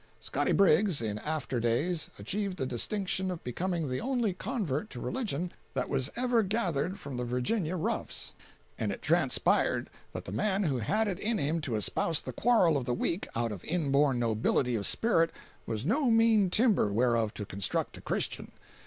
Scotty Briggs, in after days, achieved the distinction of becoming the only convert to religion that was ever gathered from the Virginia roughs; and it transpired that the man who had it in him to espouse the quarrel of the weak out of inborn nobility of spirit was no mean timber whereof to construct a Christian.